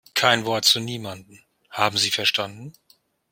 Kein Wort zu niemandem, haben Sie verstanden?